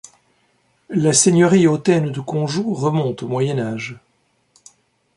La seigneurie hautaine de Conjoux remonte au Moyen Âge.